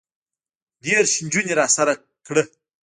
دېرش نجونې راسره کړه.